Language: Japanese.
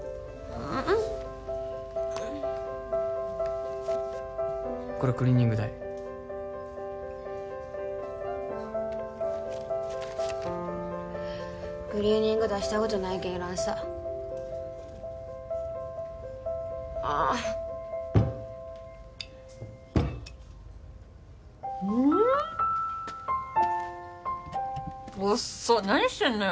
うんこれクリーニング代クリーニング出したことないけんいらんさああっうんっおっそ何してんのよ